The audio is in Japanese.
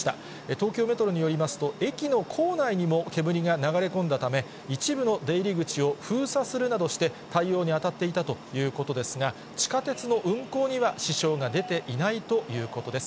東京メトロによりますと、駅の構内にも煙が流れ込んだため、一部の出入り口を封鎖するなどして、対応に当たっていたということですが、地下鉄の運行には支障が出ていないということです。